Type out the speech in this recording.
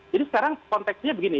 jadi sekarang konteksnya begini